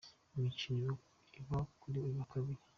Imikino iba kuri uyu wa Kabiri:.